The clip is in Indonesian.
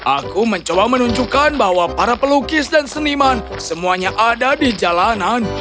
aku mencoba menunjukkan bahwa para pelukis dan seniman semuanya ada di jalanan